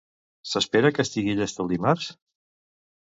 S'espera que estigui llesta el dimarts?